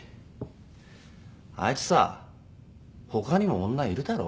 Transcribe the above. あいつさほかにも女いるだろ？